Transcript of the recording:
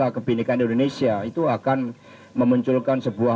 dan kebenikan indonesia itu akan memunculkan sebuah